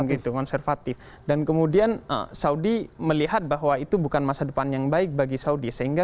gitu konservatif dan kemudian saudi melihat bahwa itu bukan masa depan yang baik bagi saudi sehingga